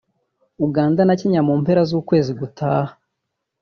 Uganda na Kenya mu mpera z’ukwezi gutaha